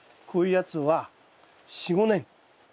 こういうやつは４５年。